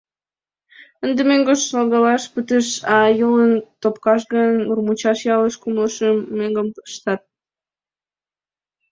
Ынде мӧҥгыш логалаш пытыш, а йолын топкаш гын, Нурмучаш ялыш кумло шым меҥгым пыштат.